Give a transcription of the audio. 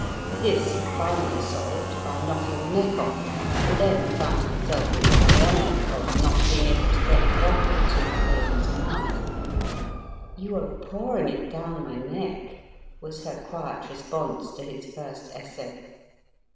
This he finally solved by knocking the neck off, and then found himself in the dilemma of not being able to get the bottle to the lady's mouth. "You are pouring it down my neck," was her quiet response to his first essay.